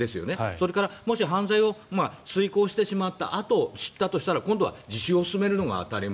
それから、もし犯罪を遂行してしまったあと知ったとしたら今度は自首を勧めるのが当たり前。